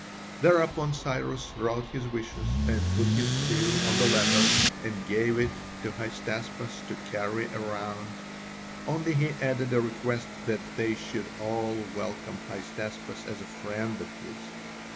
Thereupon Cyrus wrote his wishes and put his seal on the letter, and gave it to Hystaspas to carry round, only he added a request that they should all welcome Hystaspas as a friend of his.